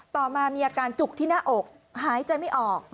ต่อมามีอาการจุกที่หน้าอกหายใจไม่ออก